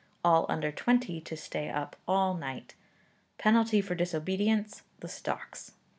all under twenty, to stay up all night. Penalty for disobedience: the stocks.